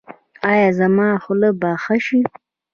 ایا زما خوله به ښه شي؟